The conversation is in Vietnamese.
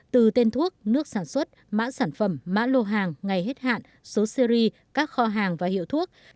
từ tên thuốc nước sản xuất mã sản phẩm mã lô hàng ngày hết hạn số series các kho hàng và hiệu thuốc